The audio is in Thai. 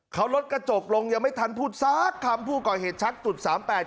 เขาลดกระจกลงยังไม่ทันพูดสักคำผู้ก่อเหตุชักจุดสามแปด